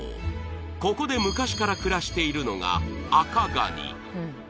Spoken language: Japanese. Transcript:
ここで昔から暮らしているのがアカガニ